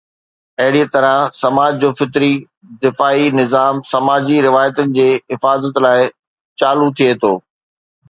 اهڙي طرح سماج جو فطري دفاعي نظام سماجي روايتن جي حفاظت لاءِ چالو ٿئي ٿو.